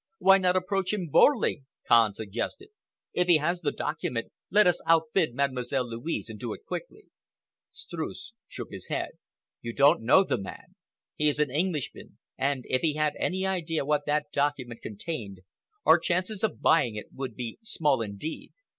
"Why not approach him boldly?" Kahn suggested. "If he has the document, let us outbid Mademoiselle Louise, and do it quickly." Streuss shook his head. "You don't know the man. He is an Englishman, and if he had any idea what that document contained, our chances of buying it would be small indeed.